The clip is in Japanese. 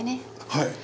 はい。